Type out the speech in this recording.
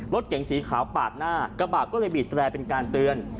รถเก่งสีขาวปาดหน้ากระบะก็เลยบีดแร่เป็นการเตือน